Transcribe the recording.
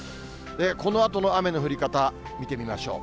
このあとの雨の降り方見てみましょう。